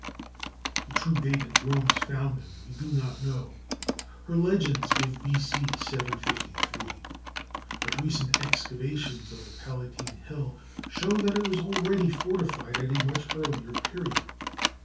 The true date of Rome's founding we do not know. Her own legends give B.C. 753. But recent excavations on the Palatine hill show that it was already fortified at a much earlier period.